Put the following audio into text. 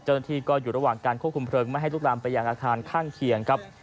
เจ้าหน้าที่ก็อยู่ระหว่างการควบคุมเพลิงไม่ให้ลุกลามไปยังอาคารข้างเคียงครับ